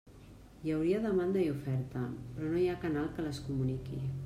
Hi hauria demanda i oferta, però no hi ha canal que les comuniqui.